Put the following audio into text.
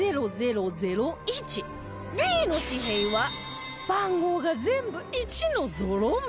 Ｂ の紙幣は番号が全部「１」のゾロ目